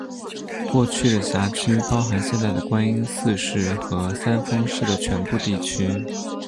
过去的辖区包含现在的观音寺市和三丰市的全部地区。